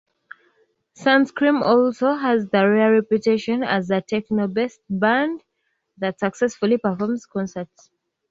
Sunscreem also has the rare reputation as a techno-based band that successfully performs concerts.